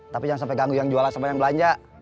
tapi jangan sampai ganggu yang jualan sama yang belanja